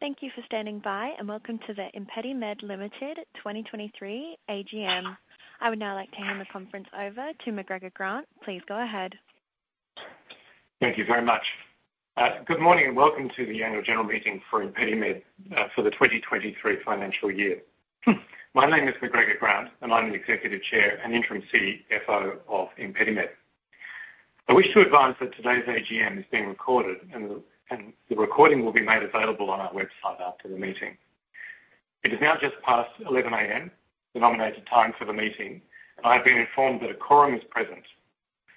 Thank you for standing by, and welcome to the ImpediMed Limited 2023 AGM. I would now like to hand the conference over to McGregor Grant. Please go ahead. Thank you very much. Good morning, and welcome to the Annual General Meeting for ImpediMed for the 2023 financial year. My name is McGregor Grant, and I'm the Executive Chair and Interim CFO of ImpediMed. I wish to advise that today's AGM is being recorded, and the, and the recording will be made available on our website after the meeting. It is now just past 11 A.M., the nominated time for the meeting. I have been informed that a quorum is present.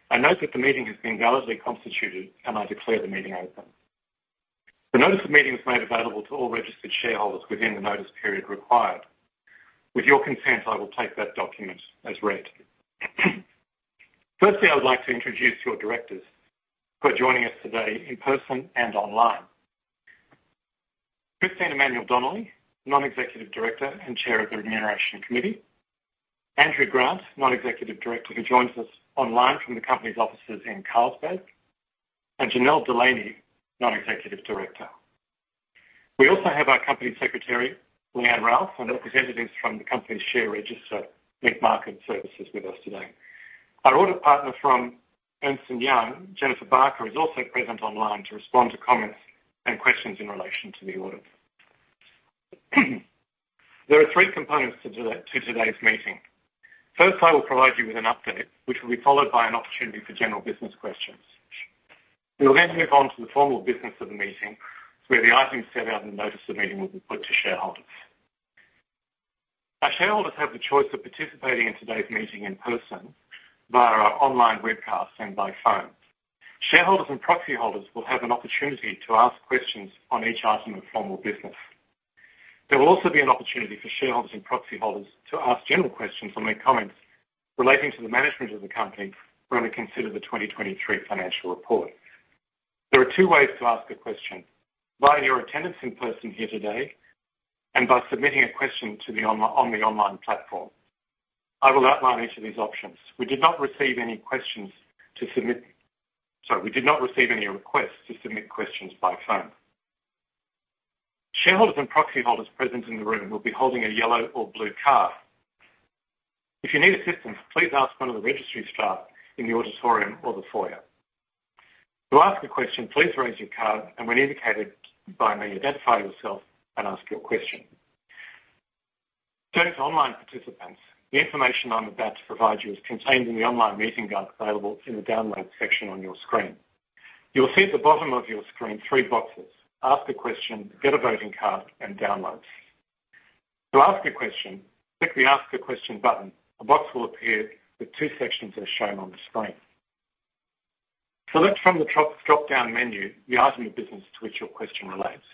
I note that the meeting has been validly constituted, and I declare the meeting open. The notice of meeting was made available to all registered shareholders within the notice period required. With your consent, I will take that document as read. Firstly, I would like to introduce your directors who are joining us today in person and online. Christine Emmanuel-Donnelly, Non-Executive Director and Chair of the Remuneration Committee. Andrew Grant, Non-Executive Director, who joins us online from the company's offices in Carlsbad, and Janelle Delaney, Non-Executive Director. We also have our Company Secretary, Leanne Ralph, and representatives from the company's share register, Link Market Services, with us today. Our audit partner from Ernst & Young, Jennifer Barker, is also present online to respond to comments and questions in relation to the audit. There are three components to today, to today's meeting. First, I will provide you with an update, which will be followed by an opportunity for general business questions. We will then move on to the formal business of the meeting, where the items set out in the notice of the meeting will be put to shareholders. Our shareholders have the choice of participating in today's meeting in person, via our online webcast, and by phone. Shareholders and proxy holders will have an opportunity to ask questions on each item of formal business. There will also be an opportunity for shareholders and proxy holders to ask general questions or make comments relating to the management of the company when we consider the 2023 financial report. There are two ways to ask a question: via your attendance in person here today and by submitting a question to the online platform. I will outline each of these options. We did not receive any questions to submit. Sorry, we did not receive any requests to submit questions by phone. Shareholders and proxy holders present in the room will be holding a yellow or blue card. If you need assistance, please ask one of the registry staff in the auditorium or the foyer. To ask a question, please raise your card, and when indicated by me, identify yourself and ask your question. Thanks to online participants, the information I'm about to provide you is contained in the online meeting guide available in the Download section on your screen. You'll see at the bottom of your screen three boxes: Ask a question, Get a voting card, and Downloads. To ask a question, click the Ask a Question button. A box will appear with two sections as shown on the screen. Select from the drop-down menu the item of business to which your question relates,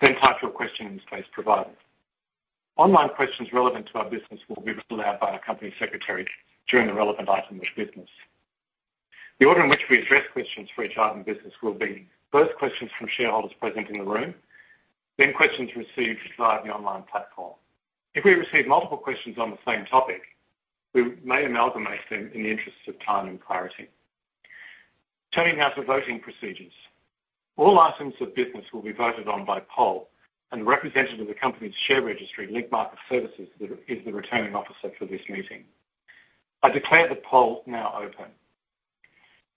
then type your question in the space provided. Online questions relevant to our business will be read aloud by our company secretary during the relevant item of business. The order in which we address questions for each item of business will be first, questions from shareholders present in the room, then questions received via the online platform. If we receive multiple questions on the same topic, we may amalgamate them in the interests of time and clarity. Turning now to voting procedures. All items of business will be voted on by poll, and the representative of the company's share registry, Link Market Services, is the Returning Officer for this meeting. I declare the poll now open.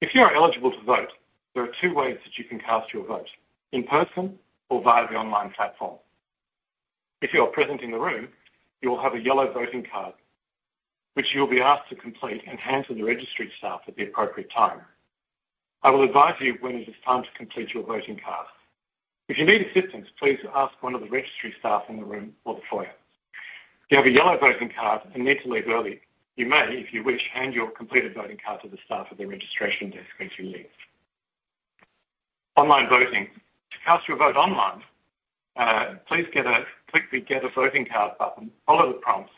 If you are eligible to vote, there are two ways that you can cast your vote: in person or via the online platform. If you are present in the room, you will have a yellow voting card, which you will be asked to complete and hand to the registry staff at the appropriate time. I will advise you when it is time to complete your voting card. If you need assistance, please ask one of the registry staff in the room or the foyer. If you have a yellow voting card and need to leave early, you may, if you wish, hand your completed voting card to the staff at the registration desk as you leave. Online voting. To cast your vote online, click the Get a Voting Card button, follow the prompts,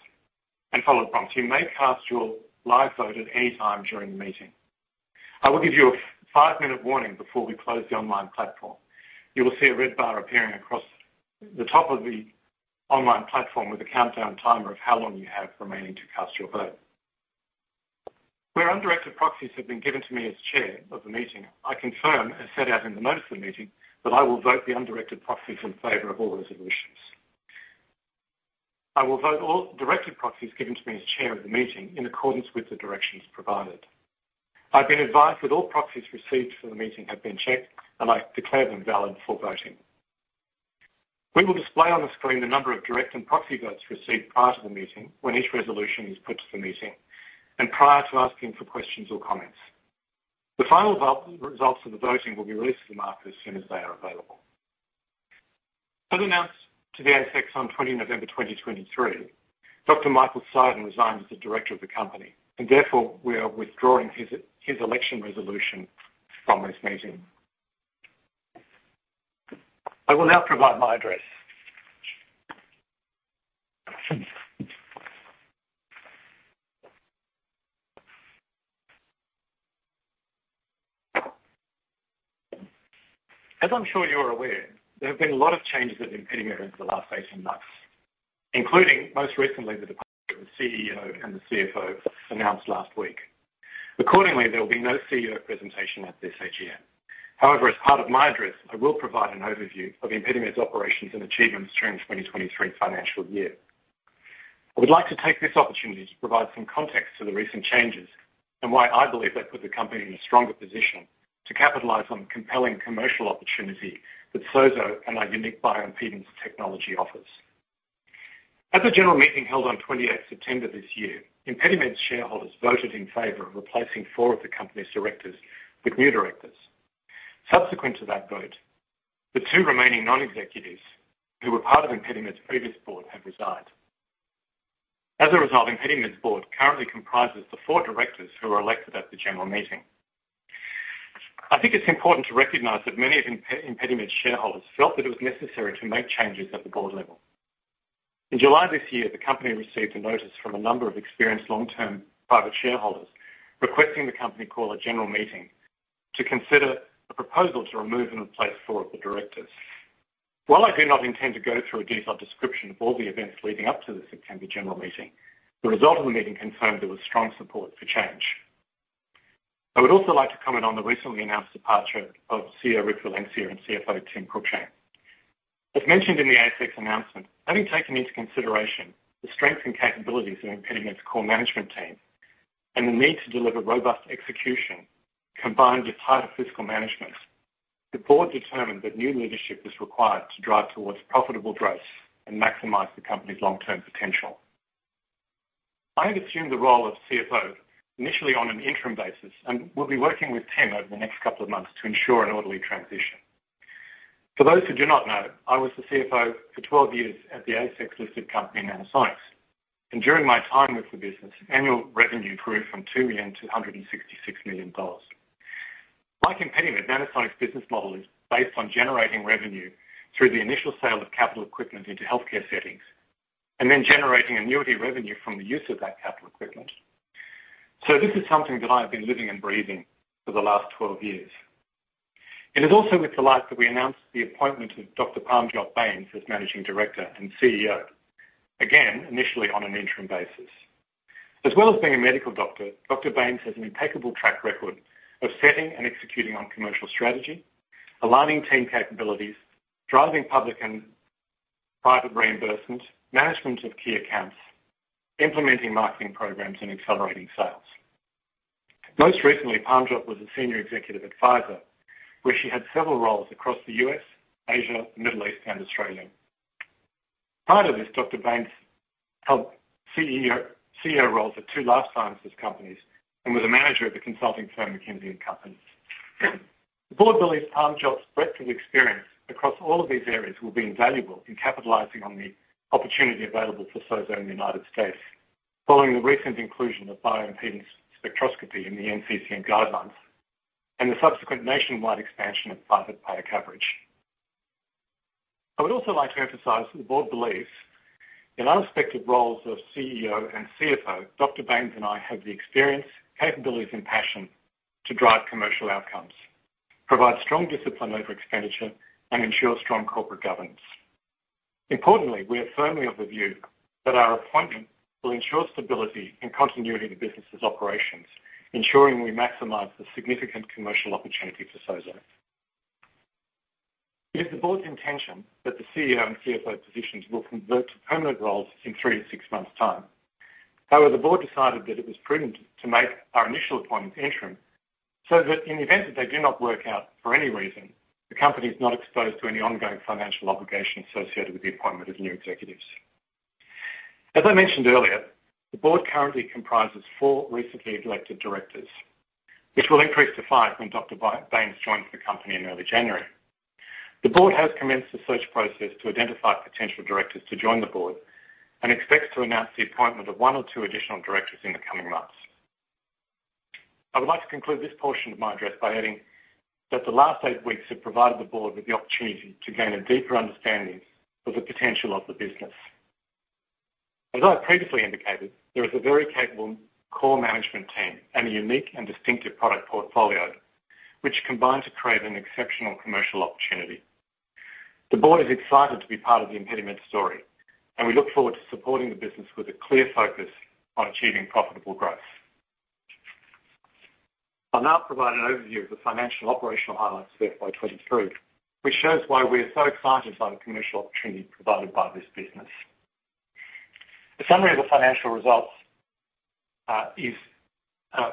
and follow the prompts. You may cast your live vote at any time during the meeting. I will give you a five-minute warning before we close the online platform. You will see a red bar appearing across the top of the online platform with a countdown timer of how long you have remaining to cast your vote. Where undirected proxies have been given to me as Chair of the meeting, I confirm, as set out in the notice of the meeting, that I will vote the undirected proxies in favor of all resolutions. I will vote all directed proxies given to me as Chair of the meeting in accordance with the directions provided. I've been advised that all proxies received for the meeting have been checked, and I declare them valid for voting. We will display on the screen the number of direct and proxy votes received prior to the meeting, when each resolution is put to the meeting and prior to asking for questions or comments. The final results of the voting will be released to the market as soon as they are available. As announced to the ASX on 20 November 2023, Dr. Michael Seiden resigned as a director of the company, and therefore, we are withdrawing his election resolution from this meeting. I will now provide my address. As I'm sure you're aware, there have been a lot of changes at ImpediMed over the last 18 months, including most recently, the departure of the CEO and the CFO, announced last week. Accordingly, there will be no CEO presentation at this AGM. However, as part of my address, I will provide an overview of ImpediMed's operations and achievements during the 2023 financial year. I would like to take this opportunity to provide some context to the recent changes and why I believe they put the company in a stronger position to capitalize on the compelling commercial opportunity that SOZO and our unique bioimpedance technology offers. At the general meeting held on 28th September this year, ImpediMed's shareholders voted in favor of replacing four of the company's directors with new directors. Subsequent to that vote, the two remaining non-executives who were part of ImpediMed's previous board have resigned. As a result, ImpediMed's board currently comprises the four directors who were elected at the general meeting. I think it's important to recognize that many of ImpediMed's shareholders felt that it was necessary to make changes at the board level. In July this year, the company received a notice from a number of experienced long-term private shareholders, requesting the company call a general meeting to consider a proposal to remove and replace four of the directors. While I do not intend to go through a detailed description of all the events leading up to this September general meeting, the result of the meeting confirmed there was strong support for change. I would also like to comment on the recently announced departure of CEO, Rick Valencia, and CFO, Tim Cruickshank. As mentioned in the ASX announcement, having taken into consideration the strengths and capabilities of ImpediMed's core management team and the need to deliver robust execution, combined with tighter fiscal management, the board determined that new leadership was required to drive towards profitable growth and maximize the company's long-term potential. I have assumed the role of CFO, initially on an interim basis, and will be working with Tim over the next couple of months to ensure an orderly transition. For those who do not know, I was the CFO for 12 years at the ASX-listed company, Nanosonics, and during my time with the business, annual revenue grew from AUD 2 million to 166 million dollars. Like ImpediMed, Nanosonics' business model is based on generating revenue through the initial sale of capital equipment into healthcare settings, and then generating annuity revenue from the use of that capital equipment. So this is something that I have been living and breathing for the last 12 years. It is also with delight that we announce the appointment of Dr. Parmjot Bains as Managing Director and CEO. Again, initially on an interim basis. As well as being a medical doctor, Dr. Bains has an impeccable track record of setting and executing on commercial strategy, aligning team capabilities, driving public and private reimbursements, management of key accounts, implementing marketing programs, and accelerating sales. Most recently, Parmjot was a senior executive at Pfizer, where she had several roles across the U.S., Asia, Middle East, and Australia. Prior to this, Dr. Bains held CEO, CEO roles at two life sciences companies and was a manager at the consulting firm, McKinsey & Company. The board believes Parmjot's breadth of experience across all of these areas will be invaluable in capitalizing on the opportunity available for SOZO in the United States, following the recent inclusion of bioimpedance spectroscopy in the NCCN guidelines and the subsequent nationwide expansion of private payer coverage. I would also like to emphasize that the board believes in our respective roles of CEO and CFO, Dr. Bains and I have the experience, capabilities, and passion to drive commercial outcomes, provide strong discipline over expenditure, and ensure strong corporate governance. Importantly, we are firmly of the view that our appointment will ensure stability and continuity of the business's operations, ensuring we maximize the significant commercial opportunity for SOZO. It is the board's intention that the CEO and CFO positions will convert to permanent roles in three to six months' time. However, the board decided that it was prudent to make our initial appointments interim, so that in the event that they do not work out for any reason, the company is not exposed to any ongoing financial obligations associated with the appointment of new executives. As I mentioned earlier, the board currently comprises four recently elected directors, which will increase to five when Dr. Bains joins the company in early January. The board has commenced the search process to identify potential directors to join the board, and expects to announce the appointment of one or two additional directors in the coming months. I would like to conclude this portion of my address by adding that the last eight weeks have provided the board with the opportunity to gain a deeper understanding of the potential of the business. As I previously indicated, there is a very capable core management team and a unique and distinctive product portfolio, which combine to create an exceptional commercial opportunity. The board is excited to be part of the ImpediMed story, and we look forward to supporting the business with a clear focus on achieving profitable growth. I'll now provide an overview of the financial and operational highlights for FY 2023, which shows why we are so excited by the commercial opportunity provided by this business. The summary of the financial results is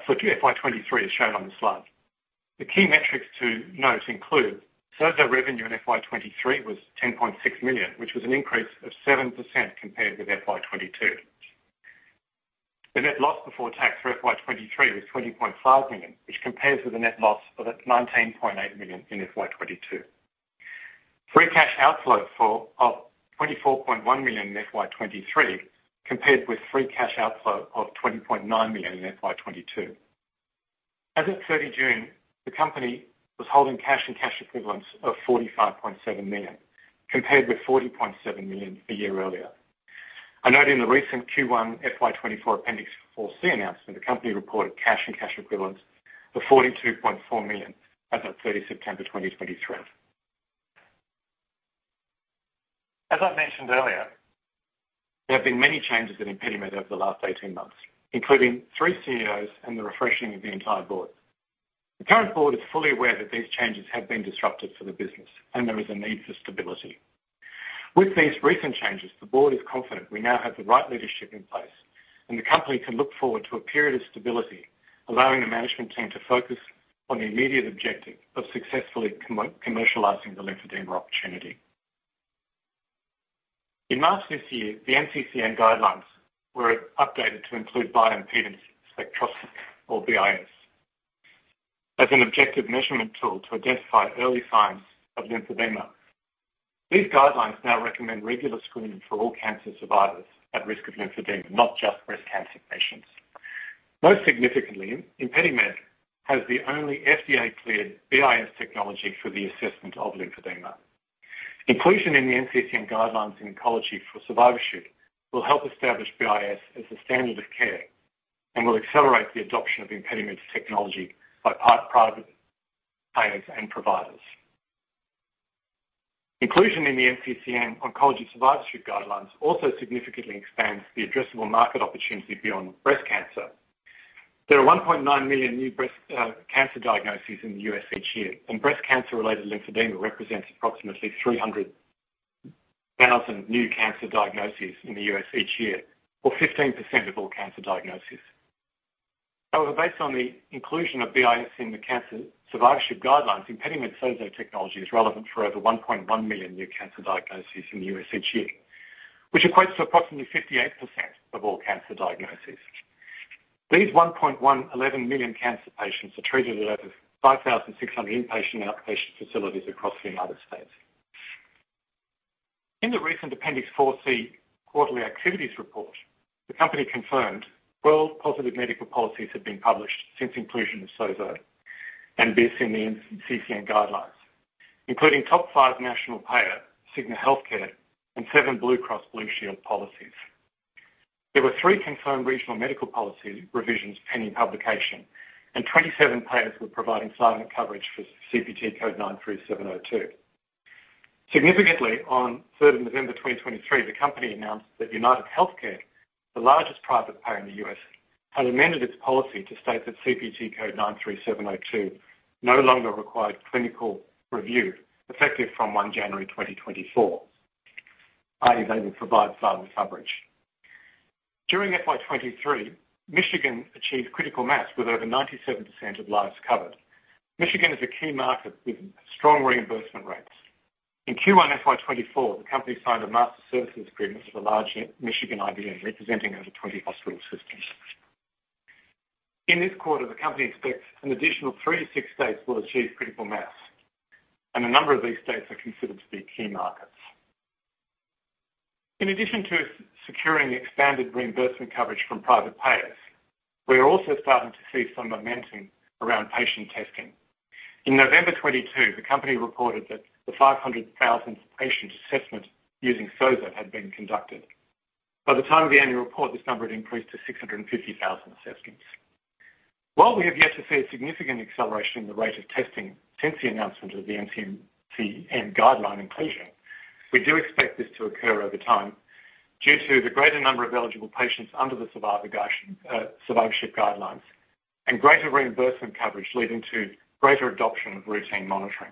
for FY 2023, is shown on this slide. The key metrics to note include: SOZO revenue in FY 2023 was $10.6 million, which was an increase of 7% compared with FY 2022. The net loss before tax for FY 2023 was $20.5 million, which compares with a net loss of $19.8 million in FY 2022. Free cash outflow of $24.1 million in FY 2023, compared with free cash outflow of $20.9 million in FY 2022. As of 30 June, the company was holding cash and cash equivalents of $45.7 million, compared with $40.7 million a year earlier. I note in the recent Q1 FY 2024 Appendix 4C announcement, the company reported cash and cash equivalents of-... for $42.4 million as of 30 September 2023. As I mentioned earlier, there have been many changes in ImpediMed over the last 18 months, including three CEOs and the refreshing of the entire board. The current board is fully aware that these changes have been disruptive for the business and there is a need for stability. With these recent changes, the board is confident we now have the right leadership in place, and the company can look forward to a period of stability, allowing the management team to focus on the immediate objective of successfully commercializing the lymphedema opportunity. In March this year, the NCCN guidelines were updated to include bioimpedance spectroscopy, or BIS, as an objective measurement tool to identify early signs of lymphedema. These guidelines now recommend regular screening for all cancer survivors at risk of lymphedema, not just breast cancer patients. Most significantly, ImpediMed has the only FDA-cleared BIS technology for the assessment of lymphedema. Inclusion in the NCCN Guidelines in Oncology for Survivorship will help establish BIS as the standard of care and will accelerate the adoption of ImpediMed's technology by private payers and providers. Inclusion in the NCCN Oncology Survivorship Guidelines also significantly expands the addressable market opportunity beyond breast cancer. There are 1.9 million new breast cancer diagnoses in the U.S. each year, and breast cancer-related lymphedema represents approximately 300,000 new cancer diagnoses in the U.S. each year, or 15% of all cancer diagnoses. However, based on the inclusion of BIS in the Cancer Survivorship guidelines, ImpediMed SOZO technology is relevant for over 1.1 million new cancer diagnoses in the U.S. each year, which equates to approximately 58% of all cancer diagnoses. These 1.111 million cancer patients are treated at over 5,600 inpatient and outpatient facilities across the United States. In the recent Appendix 4C quarterly activities report, the company confirmed 12 positive medical policies have been published since inclusion of SOZO and BIS in the NCCN guidelines, including top five national payer, Cigna Healthcare and seven Blue Cross Blue Shield policies. There were three confirmed regional medical policy revisions pending publication, and 27 payers were providing silent coverage for CPT Code 93702. Significantly, on third November 2023, the company announced that UnitedHealthcare, the largest private payer in the U.S., had amended its policy to state that CPT Code 93702 no longer required clinical review, effective from 1 January 2024, i.e., they will provide silent coverage. During FY 2023, Michigan achieved critical mass, with over 97% of lives covered. Michigan is a key market with strong reimbursement rates. In Q1 FY 2024, the company signed a master services agreement with a large Michigan IDN, representing over 20 hospital systems. In this quarter, the company expects an additional three to six states will achieve critical mass, and a number of these states are considered to be key markets. In addition to securing expanded reimbursement coverage from private payers, we are also starting to see some momentum around patient testing. In November 2022, the company reported that the 500,000th patient assessment using SOZO had been conducted. By the time of the annual report, this number had increased to 650,000 assessments. While we have yet to see a significant acceleration in the rate of testing since the announcement of the NCCN guideline inclusion, we do expect this to occur over time due to the greater number of eligible patients under the survivorship guidelines and greater reimbursement coverage, leading to greater adoption of routine monitoring.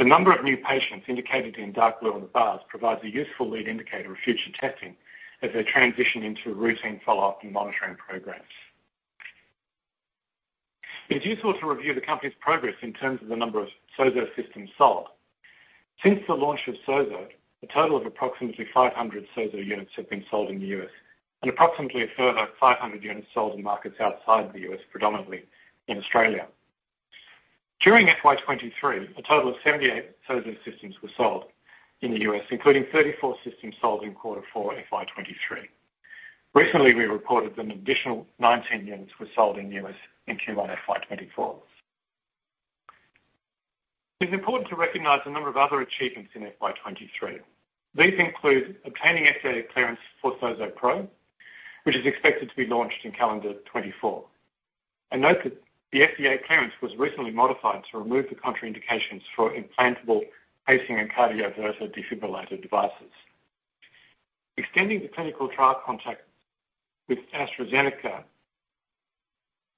The number of new patients indicated in dark blue on the bars provides a useful lead indicator of future testing as they transition into routine follow-up and monitoring programs. It's useful to review the company's progress in terms of the number of SOZO systems sold. Since the launch of SOZO, a total of approximately 500 SOZO units have been sold in the U.S. and approximately a further 500 units sold in markets outside the U.S., predominantly in Australia. During FY 2023, a total of 78 SOZO systems were sold in the U.S., including 34 systems sold in Q4 FY 2023. Recently, we reported an additional 19 units were sold in the U.S. in Q1 FY 2024. It's important to recognize a number of other achievements in FY 2023. These include obtaining FDA clearance for SOZO Pro, which is expected to be launched in calendar 2024. Note that the FDA clearance was recently modified to remove the contraindications for implantable pacing and cardioverter-defibrillator devices. Extending the clinical trial contract with AstraZeneca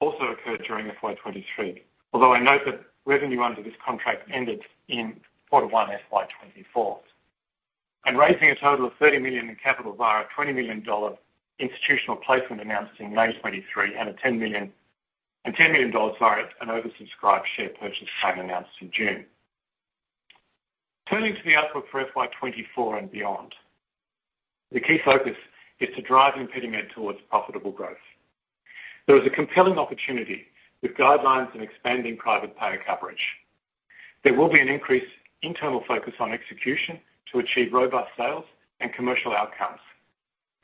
also occurred during FY 2023, although I note that revenue under this contract ended in quarter one, FY 2024. Raising a total of $30 million in capital via $20 million institutional placement announced in May 2023, and a $10 million and $10 million via an oversubscribed share purchase plan announced in June. Turning to the outlook for FY 2024 and beyond, the key focus is to drive ImpediMed towards profitable growth. There is a compelling opportunity with guidelines and expanding private payer coverage. There will be an increased internal focus on execution to achieve robust sales and commercial outcomes.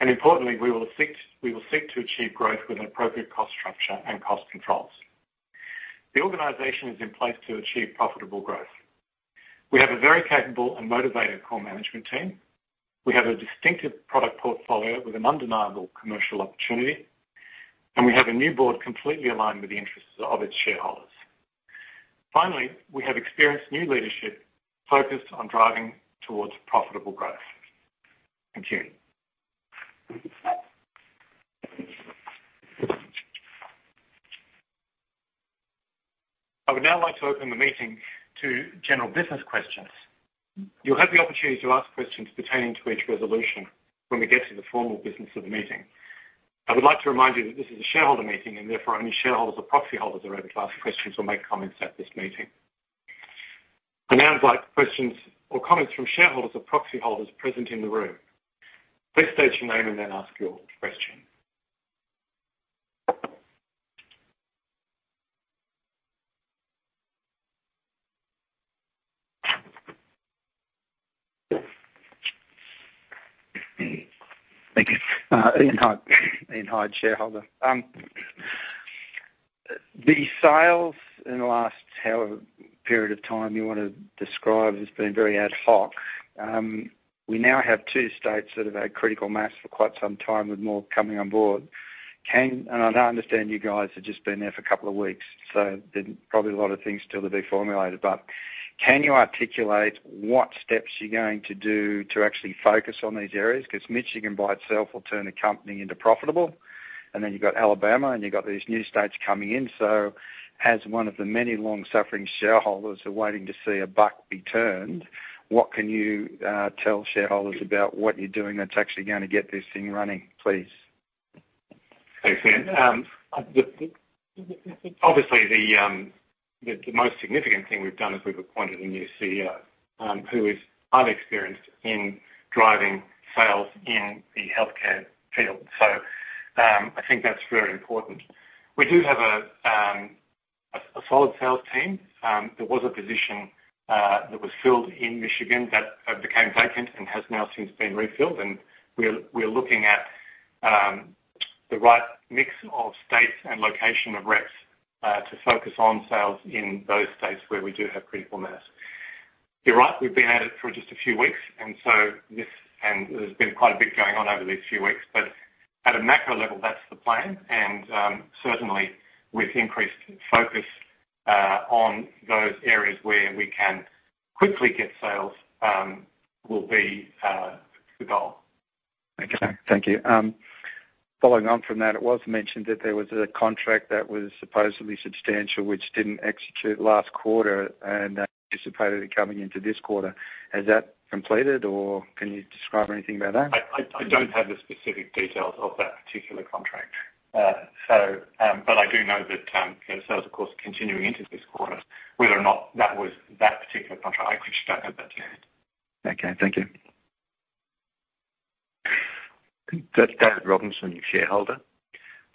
Importantly, we will seek, we will seek to achieve growth with an appropriate cost structure and cost controls. The organization is in place to achieve profitable growth.... We have a very capable and motivated core management team. We have a distinctive product portfolio with an undeniable commercial opportunity, and we have a new board completely aligned with the interests of its shareholders. Finally, we have experienced new leadership focused on driving towards profitable growth. Thank you. I would now like to open the meeting to general business questions. You'll have the opportunity to ask questions pertaining to each resolution when we get to the formal business of the meeting. I would like to remind you that this is a shareholder meeting, and therefore, only shareholders or proxy holders are able to ask questions or make comments at this meeting. I now invite questions or comments from shareholders or proxy holders present in the room. Please state your name and then ask your question. Thank you. Ian Hyde, Ian Hyde, shareholder. The sales in the last however period of time you want to describe has been very ad hoc. We now have two states that have had critical mass for quite some time, with more coming on board. I now understand you guys have just been there for a couple of weeks, so there's probably a lot of things still to be formulated, but can you articulate what steps you're going to do to actually focus on these areas? Because Michigan by itself will turn the company into profitable, and then you've got Alabama, and you've got these new states coming in. So as one of the many long-suffering shareholders are waiting to see a buck be turned, what can you tell shareholders about what you're doing that's actually going to get this thing running, please? Thanks, Ian. Obviously, the most significant thing we've done is we've appointed a new CEO who is highly experienced in driving sales in the healthcare field. So, I think that's very important. We do have a solid sales team. There was a position that was filled in Michigan that became vacant and has now since been refilled, and we are looking at the right mix of states and location of reps to focus on sales in those states where we do have critical mass. You're right. We've been at it for just a few weeks, and so this, and there's been quite a bit going on over these few weeks, but at a macro level, that's the plan, and certainly with increased focus on those areas where we can quickly get sales, will be the goal. Okay, thank you. Following on from that, it was mentioned that there was a contract that was supposedly substantial, which didn't execute last quarter and anticipated it coming into this quarter. Has that completed, or can you describe anything about that? I don't have the specific details of that particular contract. So, but I do know that, you know, sales, of course, continuing into this quarter. Whether or not that was that particular contract, I just don't have that to hand. Okay, thank you. That's David Robinson, shareholder.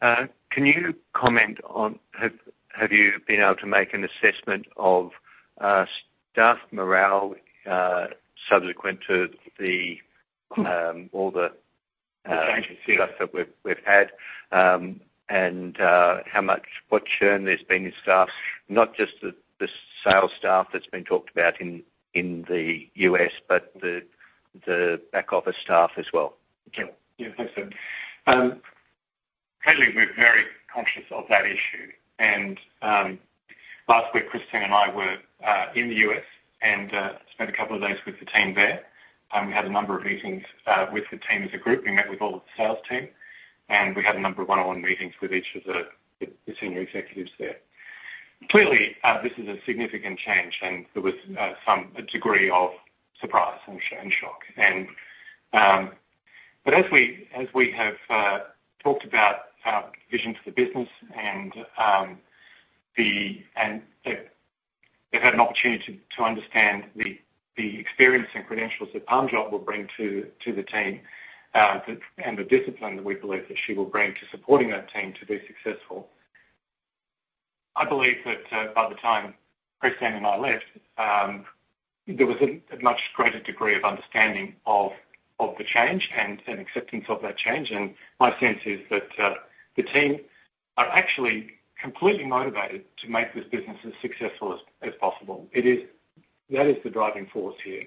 Can you comment on, have you been able to make an assessment of, staff morale, subsequent to the, all the, Change in CEO. that we've had and how much, what churn there's been in staff, not just the sales staff that's been talked about in the U.S., but the back office staff as well? Yeah. Yeah, thanks, David. Currently, we're very conscious of that issue, and last week, Christine and I were in the U.S. and spent a couple of days with the team there. We had a number of meetings with the team as a group. We met with all of the sales team, and we had a number of one-on-one meetings with each of the senior executives there. Clearly, this is a significant change, and there was some, a degree of surprise and shock. But as we have talked about our vision for the business and they've had an opportunity to understand the experience and credentials that Parmjot will bring to the team and the discipline that we believe that she will bring to supporting that team to be successful. I believe that by the time Christine and I left there was a much greater degree of understanding of the change and an acceptance of that change. My sense is that the team are actually completely motivated to make this business as successful as possible. That is the driving force here,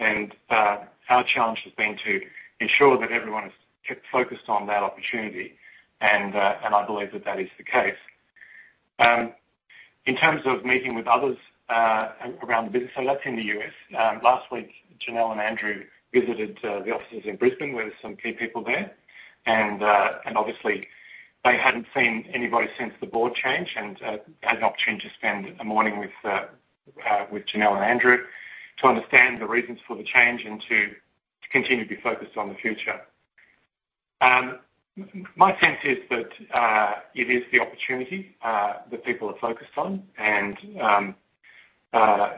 and our challenge has been to ensure that everyone has kept focused on that opportunity, and I believe that that is the case. In terms of meeting with others around the business, so that's in the U.S.. Last week, Janelle and Andrew visited the offices in Brisbane, where there's some key people there, and obviously, they hadn't seen anybody since the board change and had an opportunity to spend a morning with Janelle and Andrew to understand the reasons for the change and to continue to be focused on the future. My sense is that it is the opportunity that people are focused on. And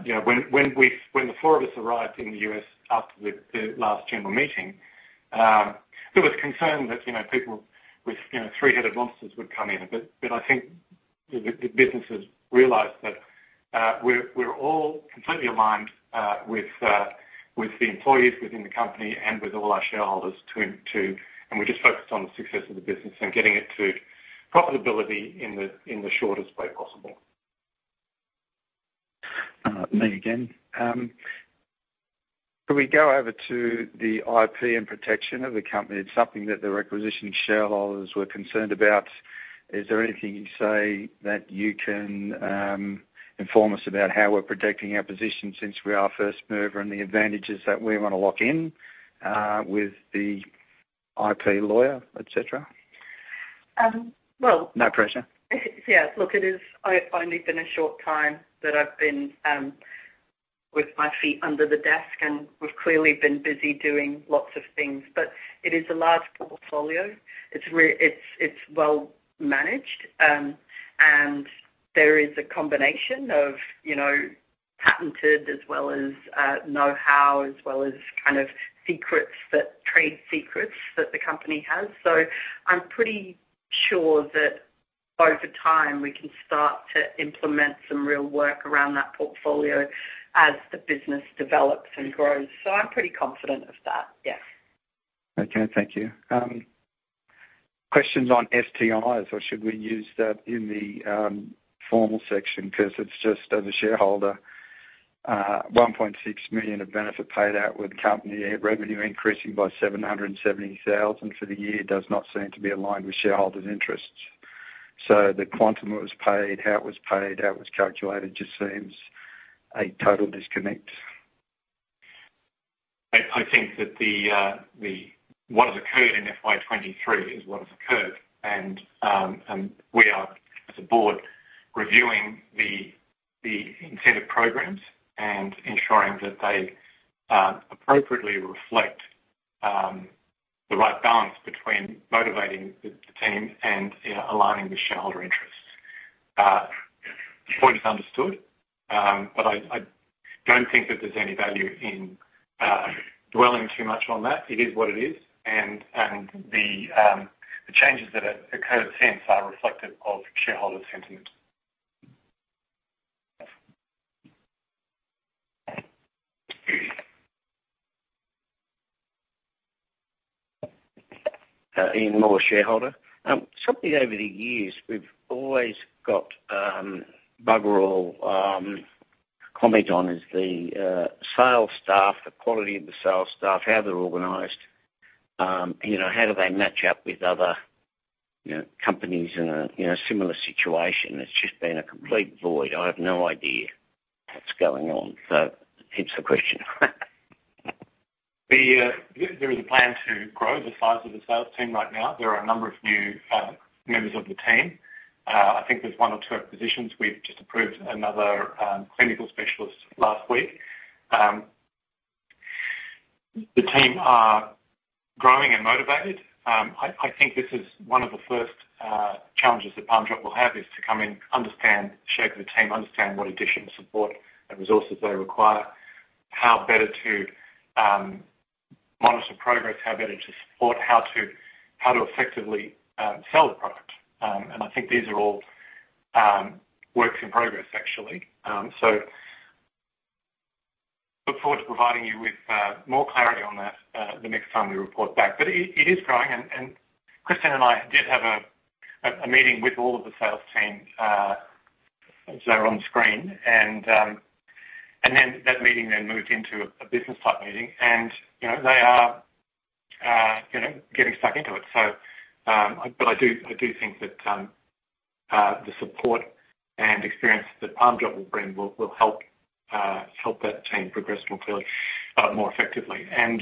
you know, when the four of us arrived in the U.S. after the last general meeting, there was concern that you know, people with three-headed monsters would come in. But I think the businesses realized that we're all completely aligned with the employees within the company and with all our shareholders to and we're just focused on the success of the business and getting it to profitability in the shortest way possible. Me again. Can we go over to the IP and protection of the company? It's something that the requisition shareholders were concerned about. Is there anything you say that you can inform us about how we're protecting our position since we are first mover and the advantages that we wanna lock in with the IP lawyer, et cetera? Um, well- No pressure. Yes, look, it is. I've only been a short time that I've been with my feet under the desk, and we've clearly been busy doing lots of things. But it is a large portfolio. It's well managed. And there is a combination of, you know, patented as well as know-how, as well as kind of secrets that, trade secrets that the company has. So I'm pretty sure that over time, we can start to implement some real work around that portfolio as the business develops and grows. So I'm pretty confident of that. Yes. Okay, thank you. Questions on STIs, or should we use that in the formal section? 'Cause it's just as a shareholder, $1.6 million of benefit paid out with company revenue increasing by $770,000 for the year does not seem to be aligned with shareholders' interests. So the quantum that was paid, how it was paid, how it was calculated, just seems a total disconnect. I think that what has occurred in FY 2023 is what has occurred, and we are, as a board, reviewing the incentive programs and ensuring that they appropriately reflect the right balance between motivating the team and aligning the shareholder interests. The point is understood, but I don't think that there's any value in dwelling too much on that. It is what it is, and the changes that have occurred since are reflective of shareholder sentiment. Ian Moore, shareholder. Something over the years, we've always got bugger all comment on is the sales staff, the quality of the sales staff, how they're organized. You know, how do they match up with other, you know, companies in a, in a similar situation? It's just been a complete void. I have no idea what's going on. So hence the question. There is a plan to grow the size of the sales team right now. There are a number of new members of the team. I think there's one or two acquisitions. We've just approved another clinical specialist last week. The team are growing and motivated. I think this is one of the first challenges that Parmjot will have, is to come in, understand, shape the team, understand what additional support and resources they require, how better to monitor progress, how better to support, how to effectively sell the product. And I think these are all works in progress, actually. So look forward to providing you with more clarity on that the next time we report back. But it is growing, and Christine and I did have a meeting with all of the sales team, so on screen, and then that meeting moved into a business type meeting, and, you know, they are getting stuck into it. So, but I do think that the support and experience that Parmjot will bring will help that team progress more clearly, more effectively. And,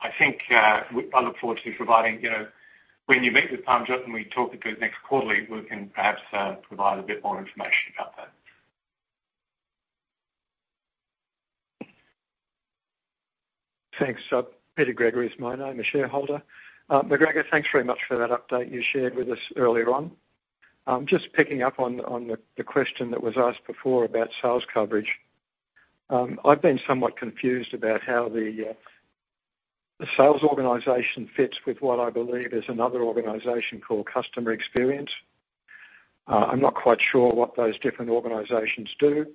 I think I look forward to providing, you know, when you meet with Parmjot and we talk at the next quarterly, we can perhaps provide a bit more information about that. Thanks. So Peter Gregory is my name, a shareholder. McGregor, thanks very much for that update you shared with us earlier on. Just picking up on the question that was asked before about sales coverage. I've been somewhat confused about how the sales organization fits with what I believe is another organization called Customer Experience. I'm not quite sure what those different organizations do.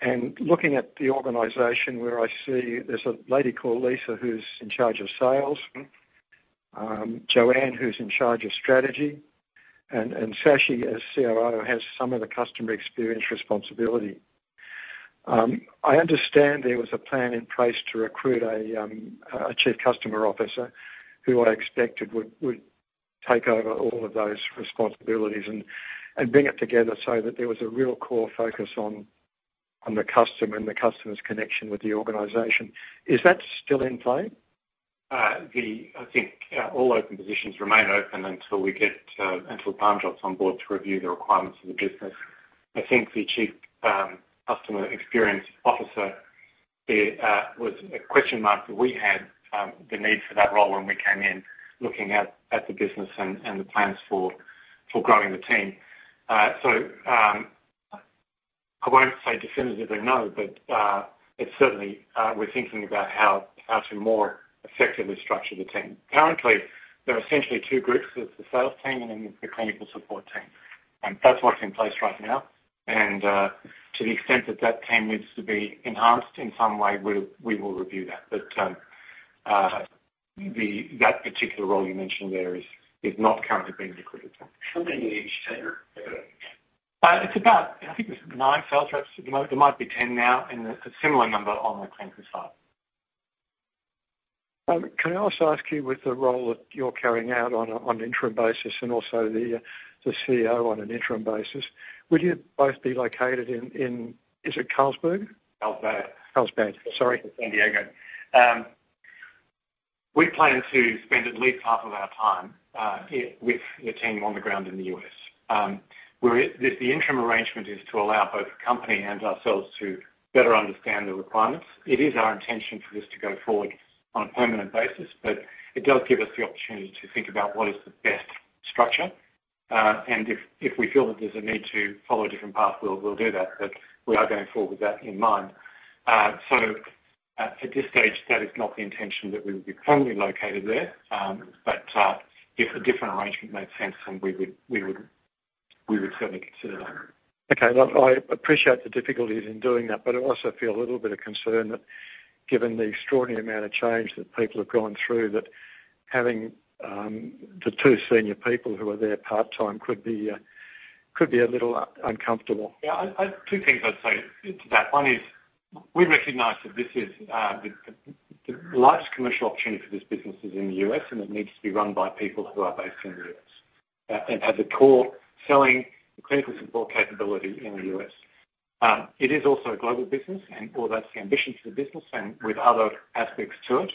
And looking at the organization, where I see there's a lady called Lisa, who's in charge of sales, Joanne, who's in charge of strategy, and Shashi, as CRO, has some of the customer experience responsibility. I understand there was a plan in place to recruit a chief customer officer, who I expected would take over all of those responsibilities and bring it together so that there was a real core focus on the customer and the customer's connection with the organization. Is that still in play? The... I think all open positions remain open until we get until Parmjot is on board to review the requirements of the business. I think the chief customer experience officer there was a question mark that we had the need for that role when we came in looking at at the business and and the plans for for growing the team. So I won't say definitively no but it's certainly we're thinking about how how to more effectively structure the team. Currently there are essentially two groups. There's the sales team and then the clinical support team... That's what's in place right now. To the extent that that team needs to be enhanced in some way we we will review that. But, that particular role you mentioned there is not currently being recruited for. How many in each center? It's about, I think there's nine sales reps at the moment. There might be 10 now, and a similar number on the clinical side. Can I also ask you, with the role that you're carrying out on an interim basis and also the CEO on an interim basis, would you both be located in, is it Carlsbad? Carlsbad. Carlsbad, sorry. San Diego. We plan to spend at least half of our time here with the team on the ground in the U.S. The interim arrangement is to allow both the company and ourselves to better understand the requirements. It is our intention for this to go forward on a permanent basis, but it does give us the opportunity to think about what is the best structure. And if we feel that there's a need to follow a different path, we'll do that, but we are going forward with that in mind. So at this stage, that is not the intention that we would be permanently located there. But if a different arrangement makes sense, then we would certainly consider that. Okay, look, I appreciate the difficulties in doing that, but I also feel a little bit of concern that given the extraordinary amount of change that people have gone through, that having the two senior people who are there part-time could be a little uncomfortable. Yeah, two things I'd say to that. One is, we recognize that this is the largest commercial opportunity for this business is in the U.S., and it needs to be run by people who are based in the U.S. And at the core, selling the clinical support capability in the U.S. It is also a global business, and well that's the ambition for the business and with other aspects to it,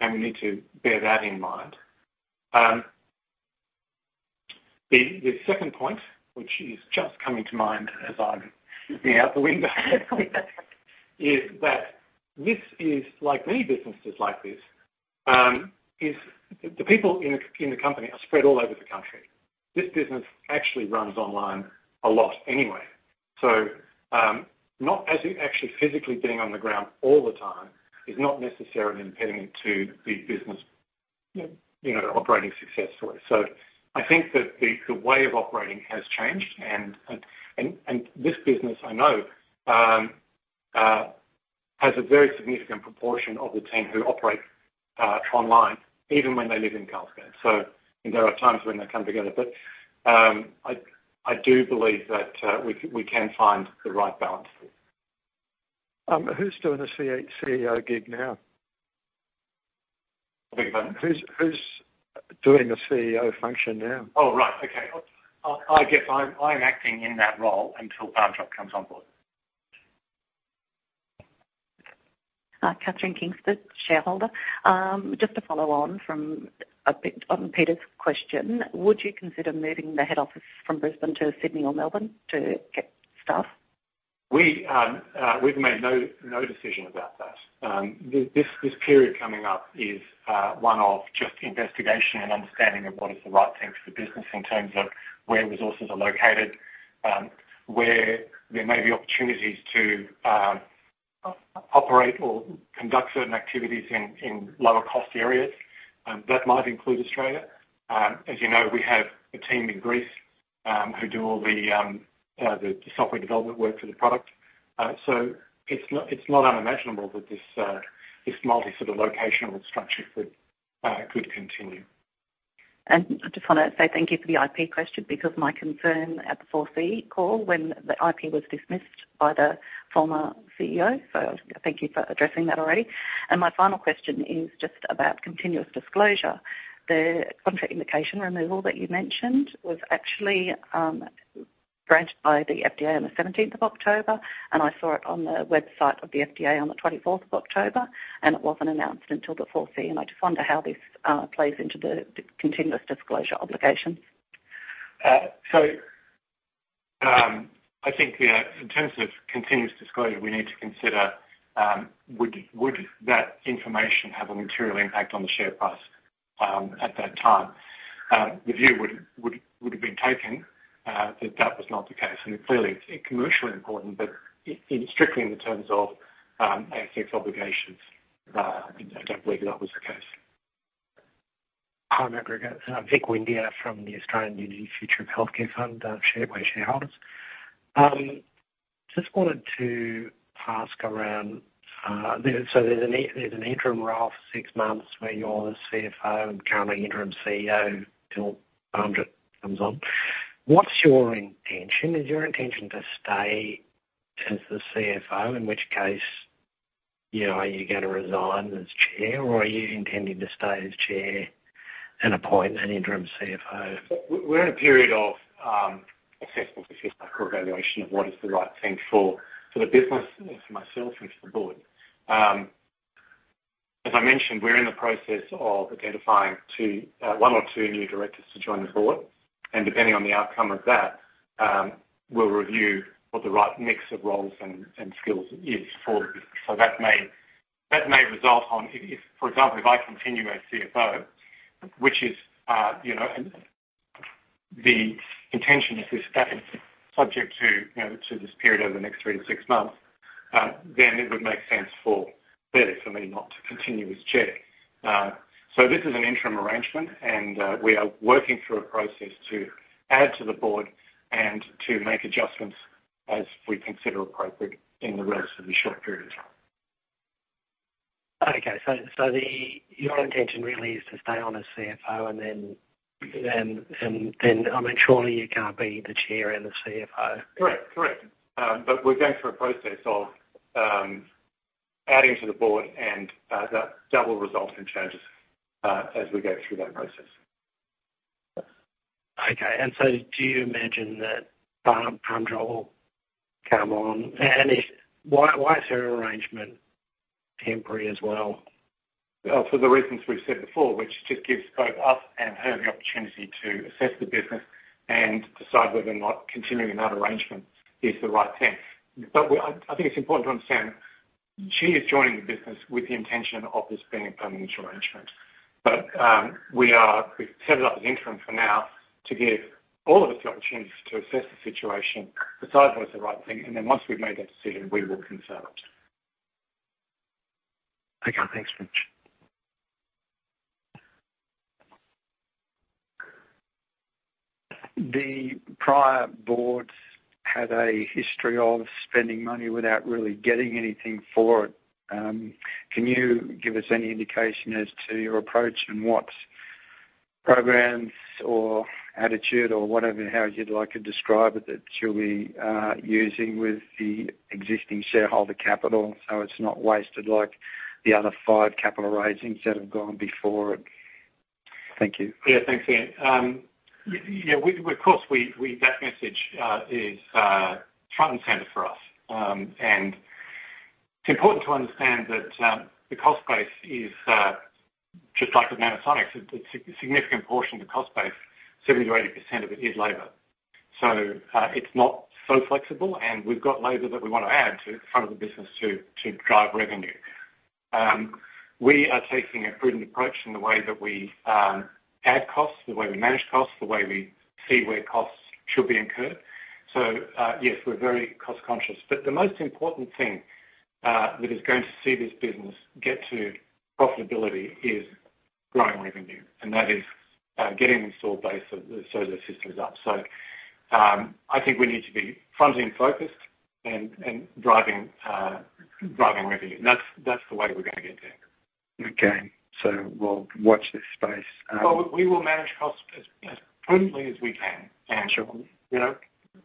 and we need to bear that in mind. The second point, which is just coming to mind as I'm looking out the window, is that this is like many businesses like this, is the people in the company are spread all over the country. This business actually runs online a lot anyway. So, not as in actually physically being on the ground all the time, is not necessarily impeding to the business, you know, operating successfully. So I think that the way of operating has changed, and this business, I know, has a very significant proportion of the team who operate online, even when they live in Carlsbad. So there are times when they come together. But, I do believe that we can find the right balance. Who's doing the CEO gig now? Beg your pardon? Who's doing the CEO function now? Oh, right. Okay. I guess I'm acting in that role until Parmjot comes on board. Catherine Kingston, shareholder. Just to follow on from a bit on Peter's question, would you consider moving the head office from Brisbane to Sydney or Melbourne to get staff? We've made no decision about that. This period coming up is one of just investigation and understanding of what is the right thing for the business in terms of where resources are located, where there may be opportunities to operate or conduct certain activities in lower cost areas, that might include Australia. As you know, we have a team in Greece, who do all the software development work for the product. So it's not, it's not unimaginable that this multi sort of locational structure could continue. And I just want to say thank you for the IP question, because my concern at the 4C call, when the IP was dismissed by the former CEO, so thank you for addressing that already. And my final question is just about continuous disclosure. The contraindication removal that you mentioned was actually granted by the FDA on the 17th of October, and I saw it on the website of the FDA on the 24th of October, and it wasn't announced until the 4C. And I just wonder how this plays into the continuous disclosure obligations. So, I think in terms of continuous disclosure, we need to consider would that information have a material impact on the share price at that time? The view would have been taken that that was not the case. And clearly, it's commercially important, but strictly in the terms of ASX obligations, I don't believe that was the case. Hi, McGregor. Vic Windeyer from the Australian Unity Future of Healthcare Fund, we're shareholders. Just wanted to ask around, so there's an interim role for six months where you're the CFO and currently interim CEO, till Parmjot comes on. What's your intention? Is your intention to stay as the CFO, in which case, you know, are you gonna resign as Chair, or are you intending to stay as Chair and appoint an interim CFO? We're in a period of assessment or evaluation of what is the right thing for the business and for myself and for the board. As I mentioned, we're in the process of identifying two, one or two new directors to join the board, and depending on the outcome of that, we'll review what the right mix of roles and skills is for the business. So that may result on if, for example, if I continue as CFO, which is, you know, the intention at this stage, subject to, you know, to this period over the next three to six months... Then it would make sense for, clearly, for me not to continue as Chair. This is an interim arrangement, and we are working through a process to add to the board and to make adjustments as we consider appropriate in the rest of the short period of time. Okay. So, your intention really is to stay on as CFO, and then, I mean, surely you can't be the Chair and the CFO? Correct. Correct. But we're going through a process of adding to the board, and that will result in changes as we go through that process. Okay. And so do you mention that, Bains, Parmjot will come on? And if, why, why is her arrangement temporary as well? Well, for the reasons we've said before, which just gives both us and her the opportunity to assess the business and decide whether or not continuing in that arrangement is the right thing. But I think it's important to understand, she is joining the business with the intention of this being a permanent arrangement. But, we've set it up as interim for now, to give all of us the opportunity to assess the situation, decide what's the right thing, and then once we've made that decision, we will confirm it. Okay, thanks much. The prior boards had a history of spending money without really getting anything for it. Can you give us any indication as to your approach and what programs or attitude or whatever, however you'd like to describe it, that you'll be using with the existing shareholder capital, so it's not wasted like the other five capital raisings that have gone before it? Thank you. Yeah, thanks, Ian. Yeah, we, of course, that message is front and center for us. And it's important to understand that the cost base is just like with Nanosonics, it's a significant portion of the cost base, 70%-80% of it is labor. So, it's not so flexible, and we've got labor that we wanna add to the front of the business to drive revenue. We are taking a prudent approach in the way that we add costs, the way we manage costs, the way we see where costs should be incurred. So, yes, we're very cost conscious, but the most important thing that is going to see this business get to profitability is growing revenue, and that is getting the installed base of the SOZO systems up. I think we need to be fronting focused and driving revenue. That's the way we're gonna get there. Okay, so we'll watch this space. Well, we will manage costs as prudently as we can. Sure. You know,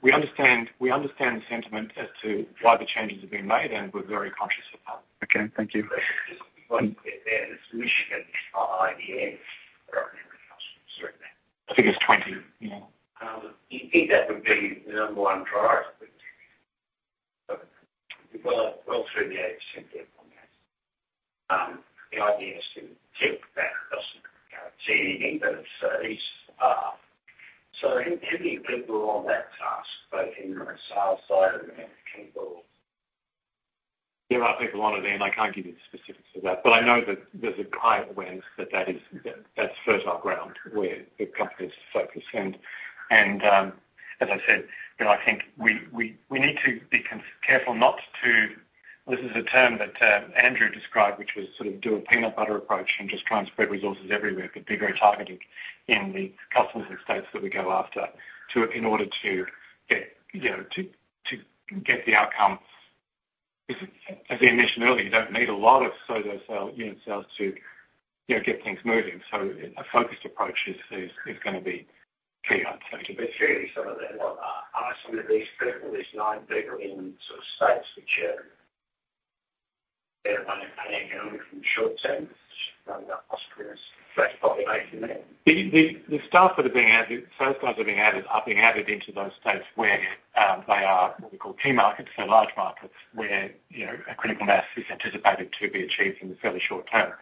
we understand, we understand the sentiment as to why the changes have been made, and we're very conscious of that. Okay, thank you. There, there is solution at IDN, but I can't remember how certain. I think it's 20, yeah. You think that would be the number one driver? Well, through the 80%, yeah. The idea is to check that customer, see any of those, so how many people are on that task, both in the sales side and the people? There are people on it, and I can't give you the specifics of that, but I know that there's a high awareness that that is, that's fertile ground where the company is focused. As I said, you know, I think we need to be careful not to... This is a term that Andrew described, which was sort of do a peanut butter approach and just try and spread resources everywhere, but be very targeted in the customers and states that we go after, in order to get, you know, to get the outcomes. As you mentioned earlier, you don't need a lot of SOZO units to, you know, get things moving, so a focused approach is gonna be key, I think. But surely some of the, are some of these people, these nine people in sort of states which are, they're only paying in short term, which are not auspicious. That's probably making it. The staff that are being added, those staff that are being added, are being added into those states where they are what we call key markets. So large markets, where, you know, a critical mass is anticipated to be achieved in the fairly short term.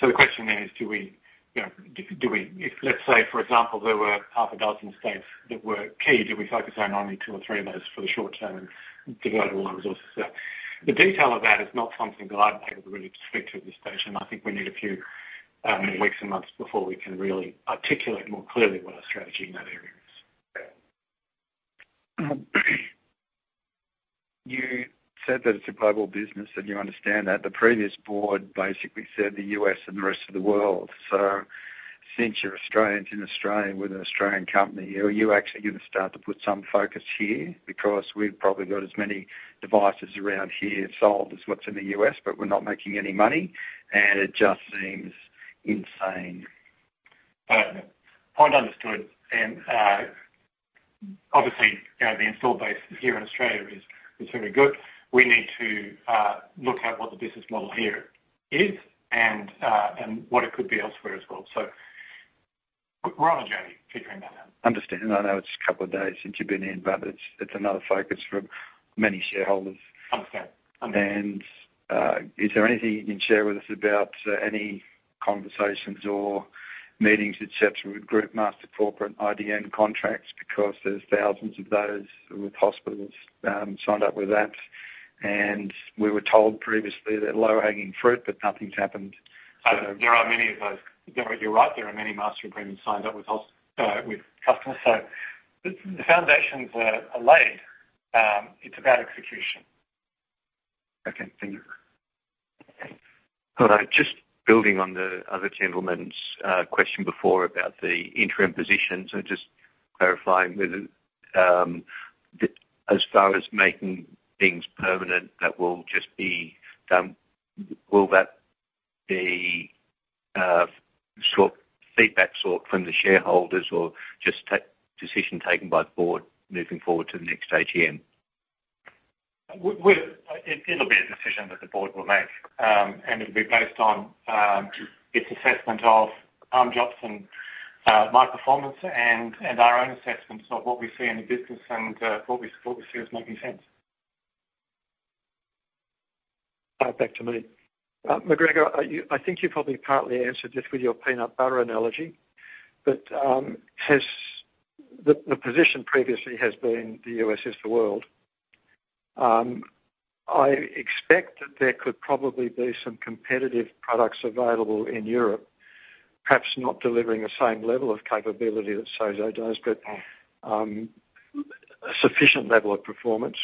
So the question then is, do we, you know, if let's say, for example, there were half a dozen states that were key, do we focus on only two or three of those for the short term and devote all the resources there? The detail of that is not something that I'm able to really speak to at this stage, and I think we need a few weeks and months before we can really articulate more clearly what our strategy in that area is. Okay. You said that it's a global business, and you understand that. The previous board basically said the U.S. and the rest of the world. So since you're Australians in Australia with an Australian company, are you actually going to start to put some focus here? Because we've probably got as many devices around here sold as what's in the U.S., but we're not making any money, and it just seems insane. Point understood, and obviously, you know, the installed base here in Australia is very good. We need to look at what the business model here is and what it could be elsewhere as well. So we're on a journey figuring that out. Understand, and I know it's a couple of days since you've been in, but it's, it's another focus for many shareholders. Understand. Understood. Is there anything you can share with us about any conversations or meetings, et cetera, with group master corporate IDN contracts? Because there's thousands of those with hospitals signed up with that, and we were told previously they're low-hanging fruit, but nothing's happened.... So there are many of those. There, you're right, there are many master agreements signed up with customers. So the foundations are laid. It's about execution. Okay, thank you. Hello. Just building on the other gentleman's question before about the interim position. So just clarifying whether, as far as making things permanent, that will just be, will that be, sort, feedback sought from the shareholders or just decision taken by the board moving forward to the next AGM? It'll be a decision that the board will make, and it'll be based on its assessment of Andrew's and my performance and our own assessments of what we see in the business and what we see as making sense. Back to me. McGregor, are you—I think you probably partly answered this with your peanut butter analogy, but has the position previously has been the U.S. is the world. I expect that there could probably be some competitive products available in Europe, perhaps not delivering the same level of capability that SOZO does, but a sufficient level of performance.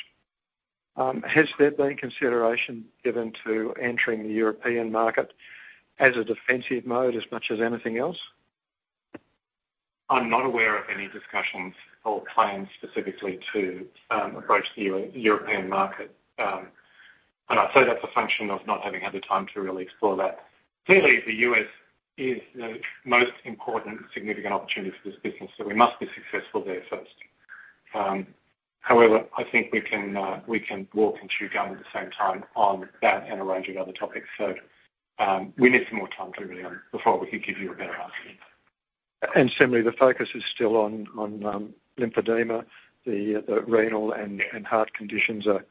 Has there been consideration given to entering the European market as a defensive mode as much as anything else? I'm not aware of any discussions or plans specifically to approach the European market. And I'd say that's a function of not having had the time to really explore that. Clearly, the U.S. is the most important, significant opportunity for this business, so we must be successful there first. However, I think we can, we can walk and chew gum at the same time on that and a range of other topics. So, we need some more time to really before we can give you a better answer. Similarly, the focus is still on lymphedema. The renal and heart conditions are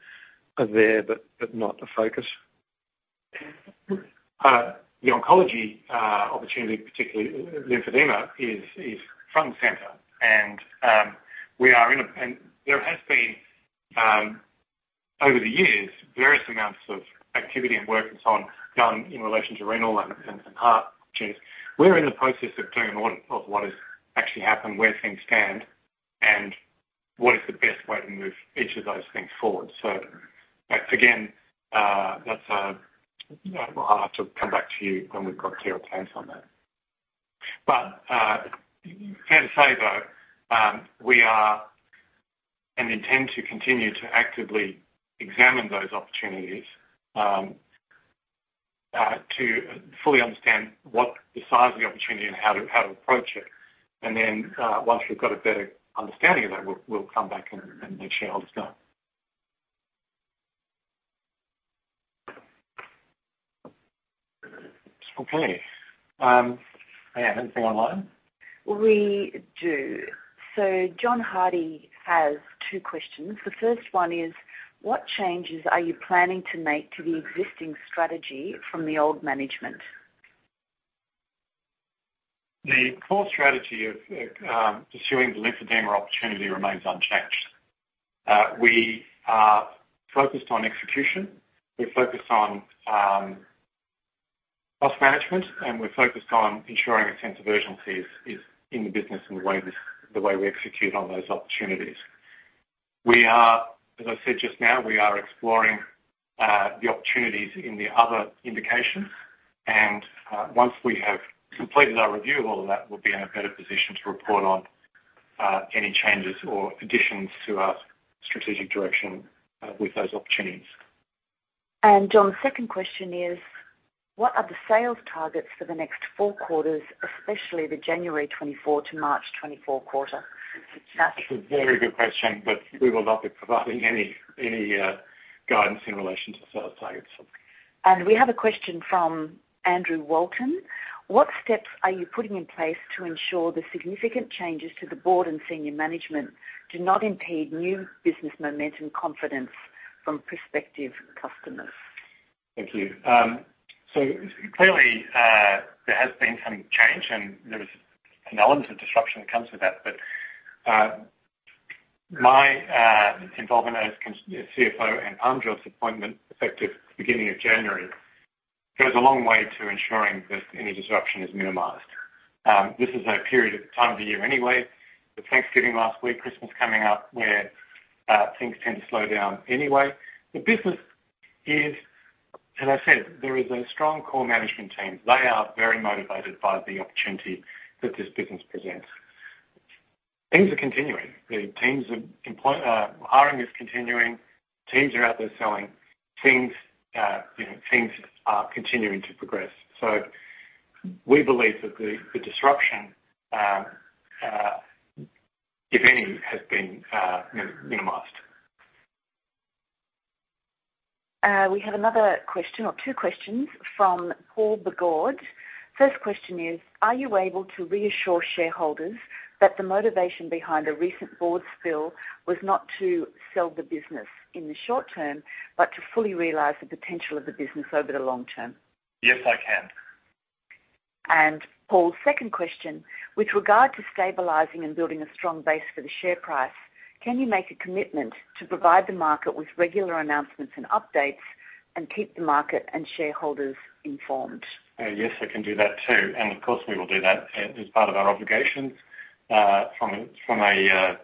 there, but not the focus? The oncology opportunity, particularly lymphedema, is front and center, and there has been, over the years, various amounts of activity and work and so on, done in relation to renal and heart issues. We're in the process of doing an audit of what has actually happened, where things stand, and what is the best way to move each of those things forward. But again, that's a, I'll have to come back to you when we've got clearer plans on that. But fair to say, though, we are and intend to continue to actively examine those opportunities, to fully understand what the size of the opportunity and how to approach it. And then, once we've got a better understanding of that, we'll, we'll come back and, and make sure how it's done. Okay. Leanne, anything online? We do. So John Hardy has two questions. The first one is: What changes are you planning to make to the existing strategy from the old management? The core strategy of pursuing the lymphedema opportunity remains unchanged. We are focused on execution, we're focused on cost management, and we're focused on ensuring a sense of urgency is in the business and the way we execute on those opportunities. We are, as I said just now, we are exploring the opportunities in the other indications, and once we have completed our review of all of that, we'll be in a better position to report on any changes or additions to our strategic direction with those opportunities. John, the second question is: What are the sales targets for the next four quarters, especially the January 2024 to March 2024 quarter? That's a very good question, but we will not be providing any guidance in relation to sales targets. We have a question from Andrew Walton: What steps are you putting in place to ensure the significant changes to the board and senior management do not impede new business momentum confidence from prospective customers? Thank you. So clearly, there has been some change, and there is an element of disruption that comes with that. But my involvement as CFO and Parmjot's appointment, effective beginning of January, goes a long way to ensuring that any disruption is minimized. This is a period of time of the year anyway, with Thanksgiving last week, Christmas coming up, where things tend to slow down anyway. The business is, as I said, there is a strong core management team. They are very motivated by the opportunity that this business presents. Things are continuing. Hiring is continuing, teams are out there selling. Things, you know, things are continuing to progress. So we believe that the disruption, if any, has been minimized. We have another question or two questions from Paul Bourgeaud. First question is: Are you able to reassure shareholders that the motivation behind a recent board spill was not to sell the business in the short term, but to fully realize the potential of the business over the long term? Yes, I can. Paul, second question. With regard to stabilizing and building a strong base for the share price, can you make a commitment to provide the market with regular announcements and updates and keep the market and shareholders informed? Yes, I can do that, too. And of course, we will do that as part of our obligations from a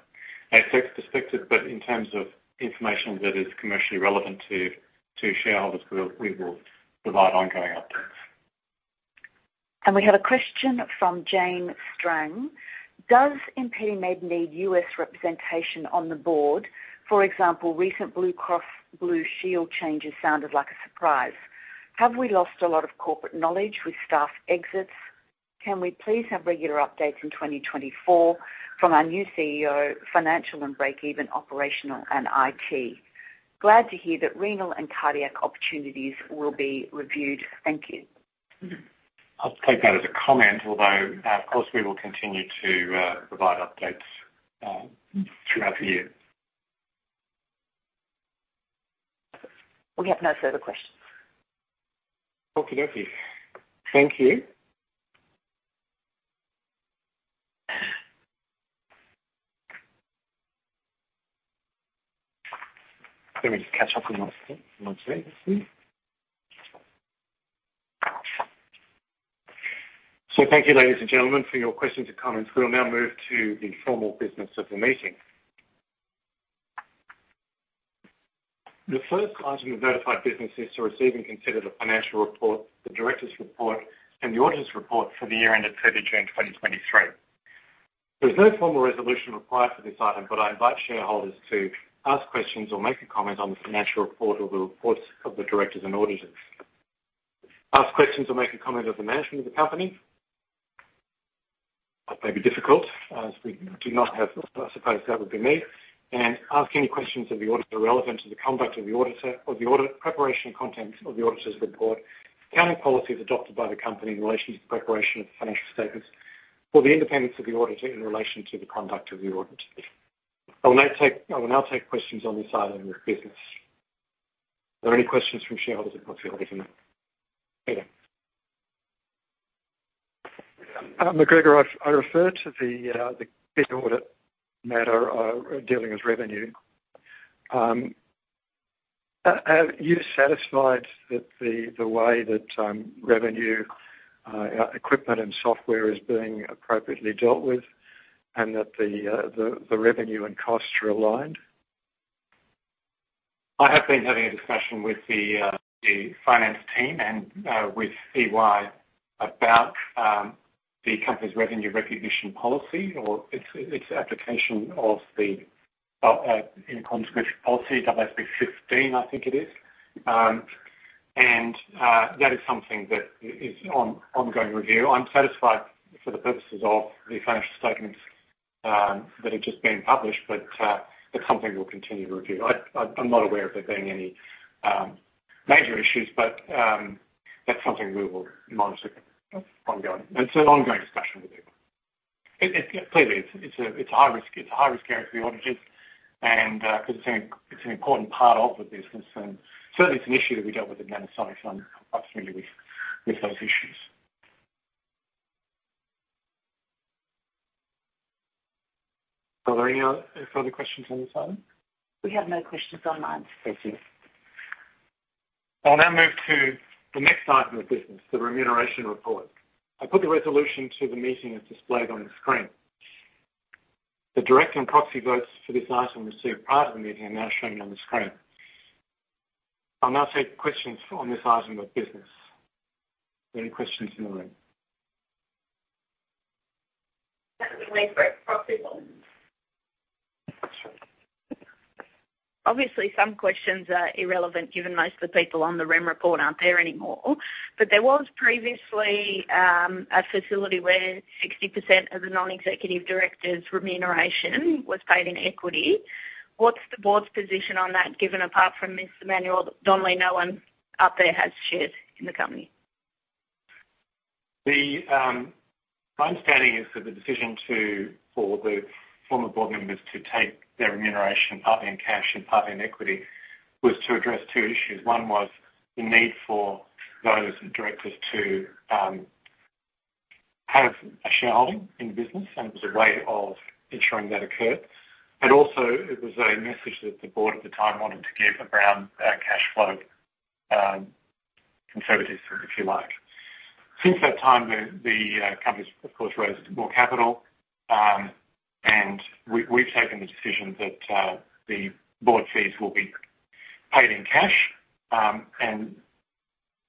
ASX perspective. But in terms of information that is commercially relevant to shareholders, we will provide ongoing updates. We have a question from Jane Strang: Does ImpediMed need U.S. representation on the board? For example, recent Blue Cross Blue Shield changes sounded like a surprise. Have we lost a lot of corporate knowledge with staff exits? Can we please have regular updates in 2024 from our new CEO, financial and break-even operational and IT. Glad to hear that renal and cardiac opportunities will be reviewed. Thank you. I'll take that as a comment, although, of course, we will continue to provide updates throughout the year. We have no further questions. Okay. Thank you. Thank you. Let me catch up with my, my notes here. So thank you, ladies and gentlemen, for your questions and comments. We will now move to the formal business of the meeting. The first item of notified business is to receive and consider the financial report, the director's report, and the auditor's report for the year ended June 30, 2023. There's no formal resolution required for this item, but I invite shareholders to ask questions or make a comment on the financial report or the reports of the directors and auditors. Ask questions or make a comment of the management of the company. That may be difficult, as we do not have... I suppose that would be me. Ask any questions of the auditor relevant to the conduct of the auditor, or the audit, preparation and contents of the auditor's report, accounting policies adopted by the company in relation to the preparation of the financial statements, or the independence of the auditor in relation to the conduct of the audit. I will now take questions on this item of business. Are there any questions from shareholders or proxyholders in there? Peter. McGregor, I refer to the big audit matter of dealing with revenue. Are you satisfied that the way that revenue, equipment, and software is being appropriately dealt with, and that the revenue and costs are aligned? I have been having a discussion with the finance team and with EY about the company's revenue recognition policy or its application of the income recognition policy, IFRS 15, I think it is. That is something that is on ongoing review. I'm satisfied for the purposes of the financial statements that have just been published, but the company will continue to review. I'm not aware of there being any major issues, but that's something we will monitor ongoing. It's an ongoing discussion with everyone. It clearly is. It's a high risk. It's a high-risk area for the auditors, and 'cause it's an important part of the business, and certainly it's an issue that we dealt with at Nanosonics. I'm familiar with those issues. Are there any other further questions on this item? We have no questions online. Thank you. I'll now move to the next item of business, the remuneration report. I put the resolution to the meeting as displayed on the screen. The director and proxy votes for this item received prior to the meeting are now showing on the screen. I'll now take questions on this item of business. Any questions in the room? Obviously, some questions are irrelevant, given most of the people on the Rem Report aren't there anymore. There was previously a facility where 60% of the non-executive directors' remuneration was paid in equity. What's the board's position on that, given apart from Ms. Emmanuel-Donnelly, no one up there has shares in the company? My understanding is that the decision to, for the former board members to take their remuneration partly in cash and partly in equity, was to address two issues. One was the need for those directors to have a shareholding in the business, and it was a way of ensuring that occurred. But also, it was a message that the board at the time wanted to give around our cash flow conservatives, if you like. Since that time, the company's, of course, raised more capital, and we've taken the decision that the board fees will be paid in cash, and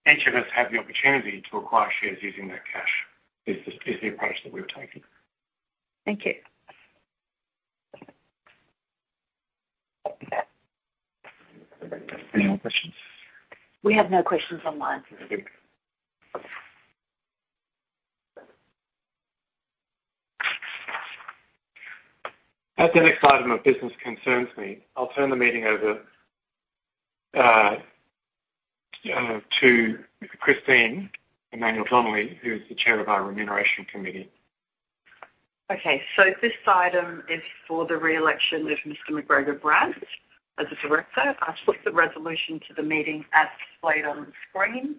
each of us have the opportunity to acquire shares using that cash. This is the approach that we've taken. Thank you. Any more questions? We have no questions online. As the next item of business concerns me, I'll turn the meeting over to Christine Emmanuel-Donnelly, who is the Chair of our Remuneration Committee. Okay, so this item is for the re-election of Mr. McGregor Grant as a director. I've put the resolution to the meeting as displayed on the screen.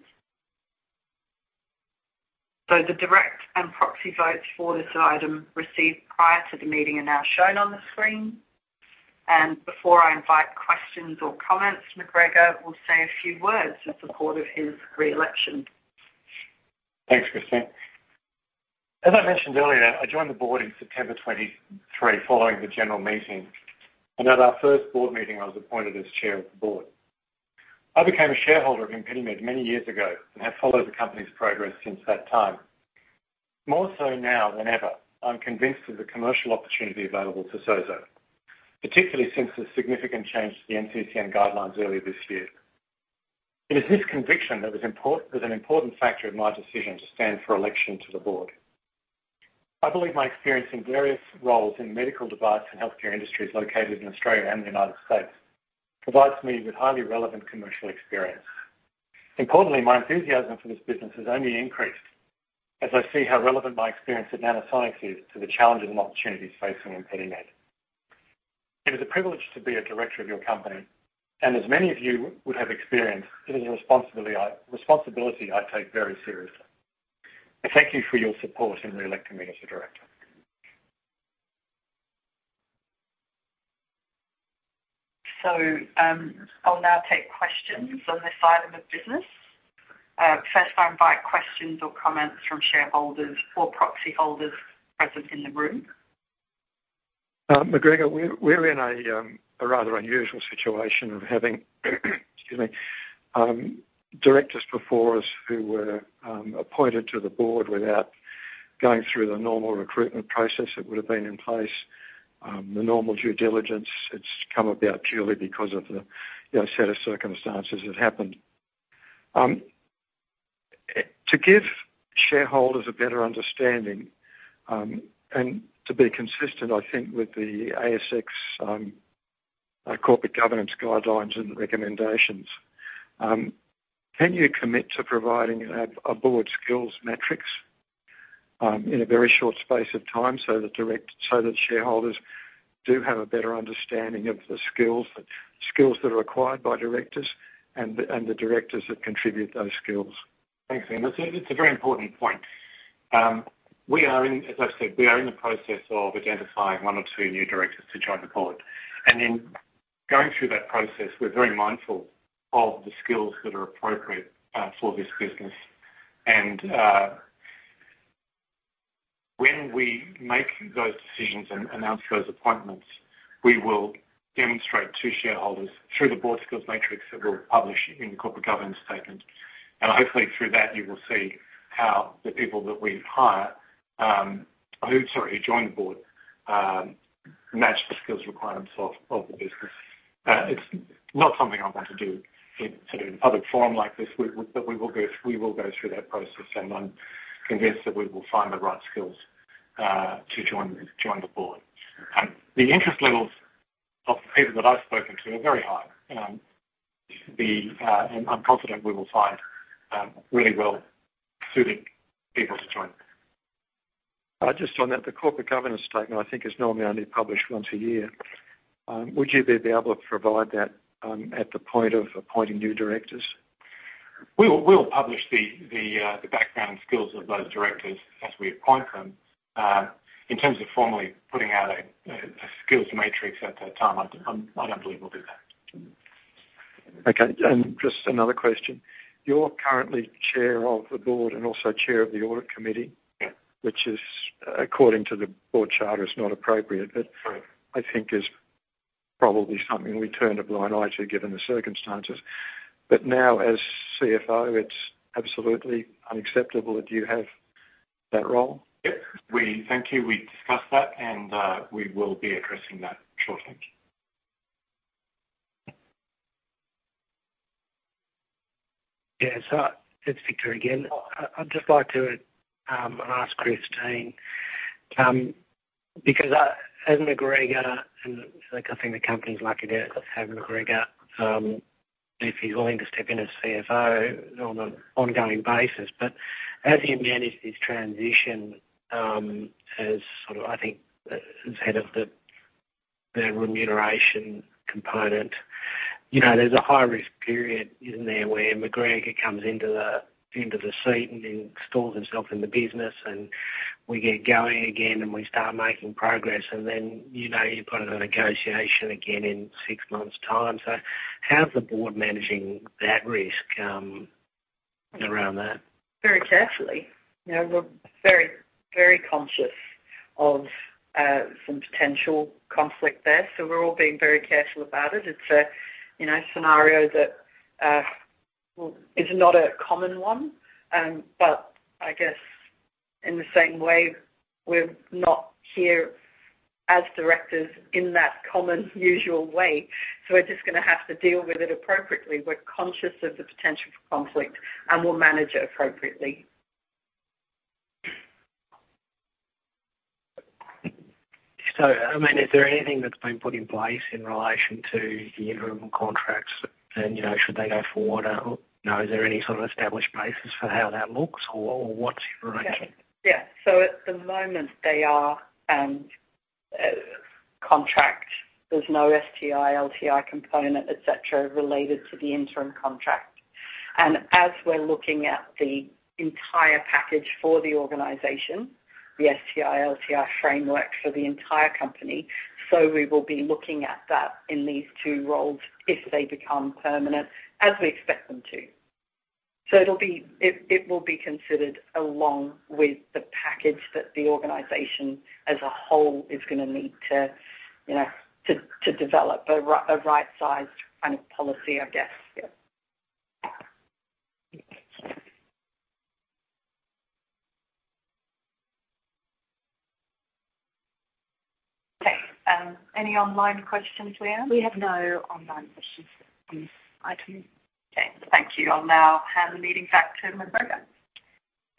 The direct and proxy votes for this item received prior to the meeting are now shown on the screen, and before I invite questions or comments, McGregor will say a few words in support of his re-election. Thanks, Christine. As I mentioned earlier, I joined the board in September 2023, following the general meeting, and at our first board meeting, I was appointed as chair of the board. I became a shareholder of ImpediMed many years ago and have followed the company's progress since that time. More so now than ever, I'm convinced of the commercial opportunity available to SOZO, particularly since the significant change to the NCCN guidelines earlier this year. It is this conviction that was an important factor in my decision to stand for election to the board. I believe my experience in various roles in medical device and healthcare industries located in Australia and the United States provides me with highly relevant commercial experience. Importantly, my enthusiasm for this business has only increased as I see how relevant my experience at Nanosonics is to the challenges and opportunities facing ImpediMed. It is a privilege to be a director of your company, and as many of you would have experienced, it is a responsibility I take very seriously. I thank you for your support in re-electing me as a director. So, I'll now take questions on this item of business. First, I invite questions or comments from shareholders or proxy holders present in the room. McGregor, we're in a rather unusual situation of having directors before us who were appointed to the board without going through the normal recruitment process that would have been in place. The normal due diligence, it's come about purely because of the, you know, set of circumstances that happened. To give shareholders a better understanding and to be consistent, I think, with the ASX corporate governance guidelines and recommendations, can you commit to providing a board skills matrix in a very short space of time so that shareholders do have a better understanding of the skills that are required by directors and the directors that contribute those skills? Thanks, Andrew. It's a very important point. We are in—as I've said—we are in the process of identifying one or two new directors to join the board. In going through that process, we're very mindful of the skills that are appropriate for this business. When we make those decisions and announce those appointments, we will demonstrate to shareholders through the board skills matrix that we'll publish in the corporate governance statement. Hopefully through that, you will see how the people that we hire, who, sorry, join the board, match the skills requirements of the business. It's not something I want to do in sort of public forum like this, but we will go through that process, and I'm convinced that we will find the right skills to join the board. The interest levels of the people that I've spoken to are very high, and I'm confident we will find really well-suiting people to join. Just on that, the corporate governance statement, I think, is normally only published once a year. Would you then be able to provide that at the point of appointing new directors? We will publish the background and skills of those directors as we appoint them. In terms of formally putting out a skills matrix at that time, I don't believe we'll do that. Okay, and just another question. You're currently chair of the board and also chair of the audit committee- Yeah. - which is, according to the board charter, is not appropriate. Right. But I think it's probably something we turn a blind eye to, given the circumstances. But now, as CFO, it's absolutely unacceptable that you have that role. Yeah. We thank you. We discussed that, and we will be addressing that shortly. Yeah. Yeah, so it's Victor again. I'd just like to ask Christine, because, as McGregor, and I think the company's lucky to have McGregor, if he's willing to step in as CFO on an ongoing basis, but as he manages this transition, as sort of, I think, as head of the remuneration component, you know, there's a high-risk period in there where McGregor comes into the seat and installs himself in the business, and we get going again, and we start making progress, and then, you know, you've got a negotiation again in six months' time. So how is the board managing that risk, around that? Very carefully. Now, we're very, very conscious of some potential conflict there, so we're all being very careful about it. It's a, you know, scenario that is not a common one, but I guess in the same way, we're not here as directors in that common, usual way, so we're just gonna have to deal with it appropriately. We're conscious of the potential for conflict, and we'll manage it appropriately. So, I mean, is there anything that's been put in place in relation to the interim contracts? And, you know, should they go forward, you know, is there any sort of established basis for how that looks or, or what's your direction? Yeah. So at the moment, they are contract. There's no STI, LTI component, et cetera, related to the interim contract. And as we're looking at the entire package for the organization, the STI, LTI framework for the entire company, so we will be looking at that in these two roles if they become permanent, as we expect them to. So it'll be... It will be considered along with the package that the organization as a whole is going to need to, you know, to develop a right-sized kind of policy, I guess. Yeah. Thank you. Okay, any online questions, Leanne? We have no online questions for this item. Okay, thank you. I'll now hand the meeting back to McGregor.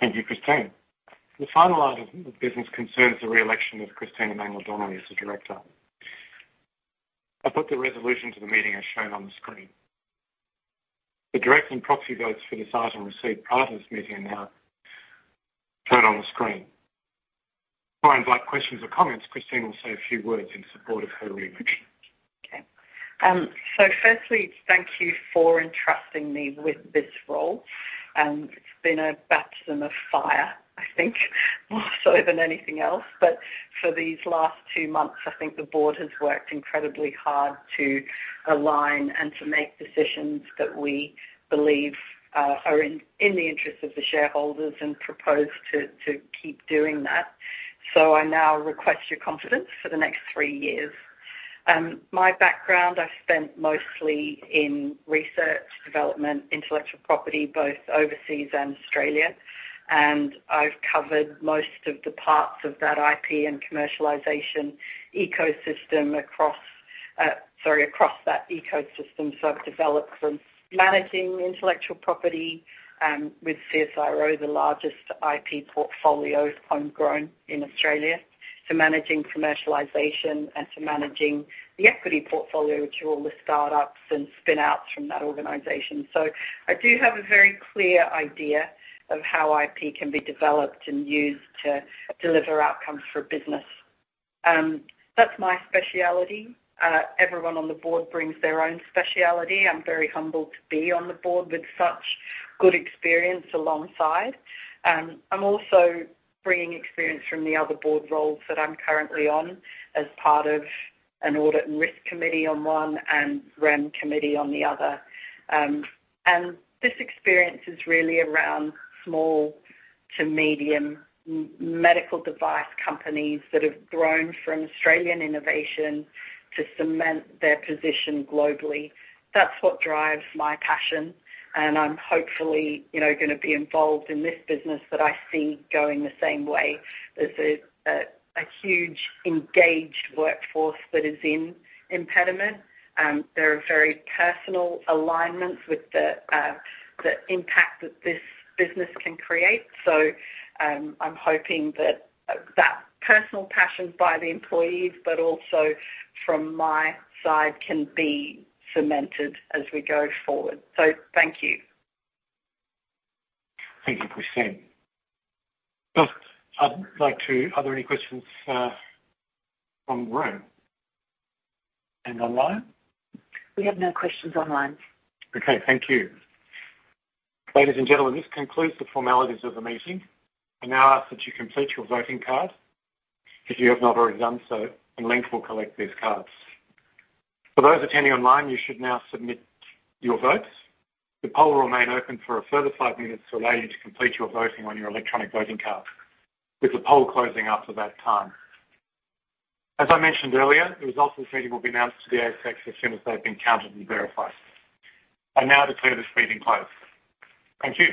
Thank you, Christine. The final item of business concerns the re-election of Christine Emmanuel-Donnelly as a director. I put the resolution to the meeting as shown on the screen. The direct and proxy votes for this item received prior to this meeting are now shown on the screen. Before I invite questions or comments, Christine will say a few words in support of her re-election. Okay. So firstly, thank you for entrusting me with this role. It's been a baptism of fire, I think, more so than anything else. But for these last two months, I think the board has worked incredibly hard to align and to make decisions that we believe are in the interest of the shareholders and propose to keep doing that. So I now request your confidence for the next three years. My background, I've spent mostly in research, development, intellectual property, both overseas and Australia, and I've covered most of the parts of that IP and commercialization ecosystem across that ecosystem. So I've developed from managing intellectual property with CSIRO, the largest IP portfolio, homegrown in Australia, to managing commercialization and to managing the equity portfolio, which are all the startups and spin-outs from that organization. So I do have a very clear idea of how IP can be developed and used to deliver outcomes for business. That's my specialty. Everyone on the board brings their own specialty. I'm very humbled to be on the board with such good experience alongside. I'm also bringing experience from the other board roles that I'm currently on as part of an audit and risk committee on one and Rem Committee on the other. And this experience is really around small to medium medical device companies that have grown from Australian innovation to cement their position globally. That's what drives my passion, and I'm hopefully, you know, gonna be involved in this business that I see going the same way. There's a huge engaged workforce that is in ImpediMed. There are very personal alignments with the impact that this business can create. So, I'm hoping that that personal passion by the employees, but also from my side, can be cemented as we go forward. So thank you. Thank you, Christine. Well, I'd like to... Are there any questions from the room and online? We have no questions online. Okay, thank you. Ladies and gentlemen, this concludes the formalities of the meeting. I now ask that you complete your voting card, if you have not already done so, and Link will collect these cards. For those attending online, you should now submit your votes. The poll will remain open for a further five minutes to allow you to complete your voting on your electronic voting card, with the poll closing after that time. As I mentioned earlier, the results of the meeting will be announced to the ASX as soon as they've been counted and verified. I now declare this meeting closed. Thank you.